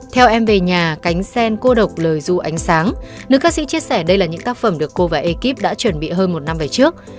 theo em về nhà cánh sen cô độc lời du ánh sáng nữ các sĩ chia sẻ đây là những tác phẩm được cô và ekip đã chuẩn bị hơn một năm về trước